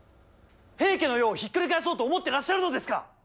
平家の世をひっくり返そうと思っていらっしゃるのですか。